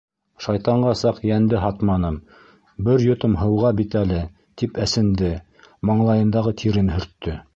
Шайтанға саҡ йәнде һатманым, бер йотом һыуға бит әле, тип әсенде, маңлайындағы тирен һөрттө.